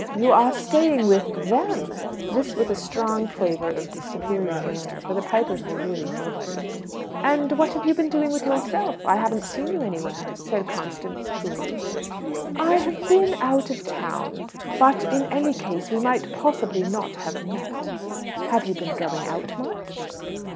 you are staying with them?" (This with a strong flavour of his superior manner; for the Pipers were really nobodies.) "And what have you been doing with yourself? I haven't seen you anywhere," said Constance coolly. "I have been out of town. But in any case we might possibly not have met. Have you been going out much?"